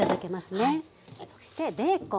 そしてベーコン。